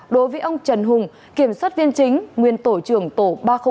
đối với ông trần hùng kiểm soát viên chính nguyên tổ trưởng tổ ba trăm linh một